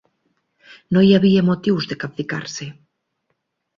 No hi havia motius de capficar-se